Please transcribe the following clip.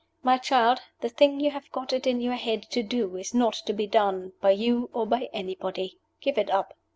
My child, the thing you have got it in your head to do is not to be done by you or by anybody. Give it up."